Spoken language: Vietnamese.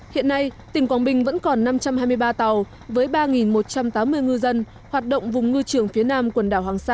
hiện nay tỉnh quảng bình vẫn còn năm trăm hai mươi ba tàu với ba một trăm tám mươi ngư dân hoạt động vùng ngư trường phía nam quần đảo hoàng sa